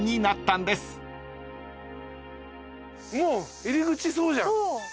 もう入り口そうじゃん。